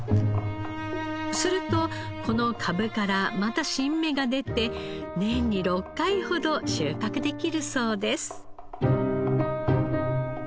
するとこの株からまた新芽が出て年に６回ほど収穫できるそうです。